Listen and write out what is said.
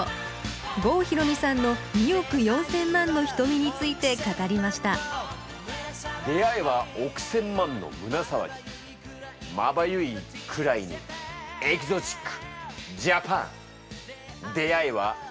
郷ひろみさんの「２億４千万の瞳」について語りました「出逢いは億千万の胸騒ぎ生命のときめきエキゾチック」。